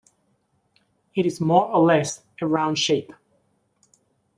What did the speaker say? It is more or less a round shape.